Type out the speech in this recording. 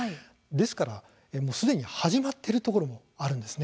ですからすでに始まっているところもあるんですね。